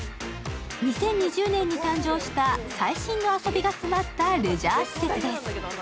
２０２０年に誕生した最新の遊びが詰まったレジャー施設です。